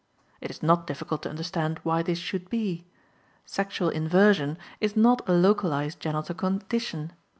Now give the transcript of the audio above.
It is not difficult to understand why this should be. Sexual inversion, is not a localized genital condition.